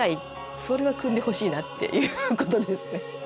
それは酌んでほしいなっていうことですね。